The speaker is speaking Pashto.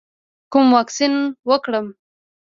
کوم واکسین وکړم؟